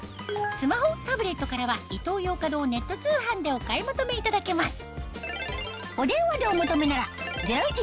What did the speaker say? スマホタブレットからはイトーヨーカドーネット通販でお買い求めいただけます